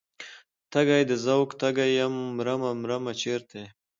تږی د ذوق تږی یمه مرمه مرمه چرته یې؟